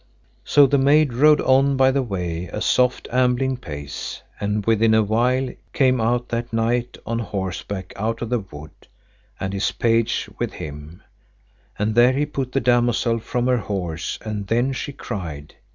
So the maid rode on by the way a soft ambling pace, and within a while came out that knight on horseback out of the wood, and his page with him, and there he put the damosel from her horse, and then she cried.